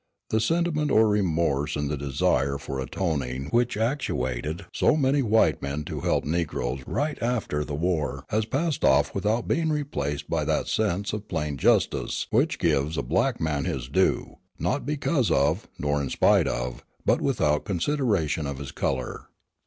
The sentiment of remorse and the desire for atoning which actuated so many white men to help negroes right after the war has passed off without being replaced by that sense of plain justice which gives a black man his due, not because of, nor in spite of, but without consideration of his color."